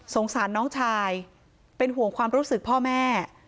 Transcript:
สารน้องชายเป็นห่วงความรู้สึกพ่อแม่